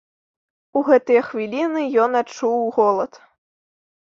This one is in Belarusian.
У гэтыя хвіліны ён адчуў голад.